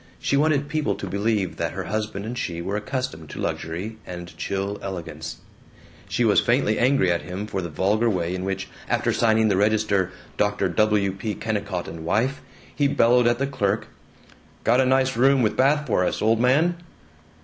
She wanted people to believe that her husband and she were accustomed to luxury and chill elegance; she was faintly angry at him for the vulgar way in which, after signing the register "Dr. W. P. Kennicott & wife," he bellowed at the clerk, "Got a nice room with bath for us, old man?"